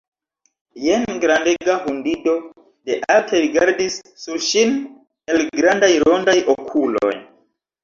Jen grandega hundido de alte rigardis sur ŝin el grandaj rondaj okuloj.